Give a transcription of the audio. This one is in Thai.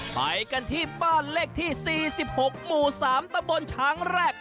ไปกันที่บ้านเลขที่๔๖หมู่๓ตะบนช้างแรก